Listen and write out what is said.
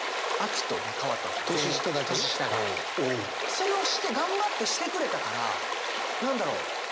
それをして頑張ってしてくれたから何だろう？